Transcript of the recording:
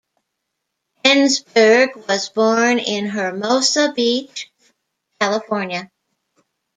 Ensberg was born in Hermosa Beach, California.